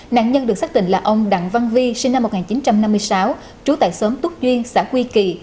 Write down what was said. nạn nhân được xác định là ông đặng văn vi sinh năm một nghìn chín trăm năm mươi sáu trú tại xóm túc duyên xã quy kỳ